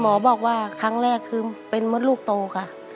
หมอบอกว่าครั้งแรกคือเป็นมดลูกโตค่ะ